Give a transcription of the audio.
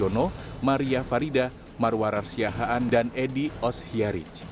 noh maria farida marwarar siahaan dan edy osyaric